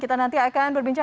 kita nanti akan berbincang